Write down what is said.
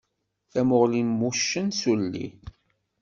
Tamuɣli n wuccen s ulli.